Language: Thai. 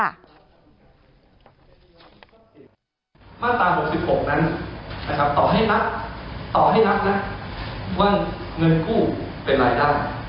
มาตรา๖๖นั้นต่อให้รับว่าเงินกู้เป็นรายได้